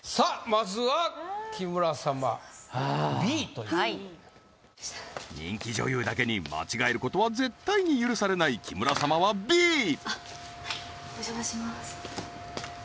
まずははい人気女優だけに間違えることは絶対に許されない木村様はＢあっはいお邪魔します